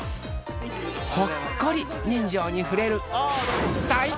ほっこり人情に触れる。